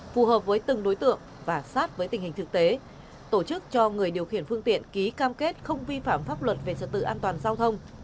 phù hợp với từng đối tượng và sát với tình hình thực tế tổ chức cho người điều khiển phương tiện ký cam kết không vi phạm pháp luật về trật tự an toàn giao thông